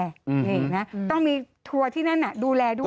เห็นไหมนะต้องมีทัวร์ที่นั่นน่ะดูแลด้วย